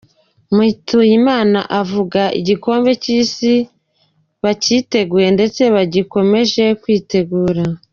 Mutuyimana avuga igikombe cy’Isi bacyiteguye ndetse bagikomeje kwitegura.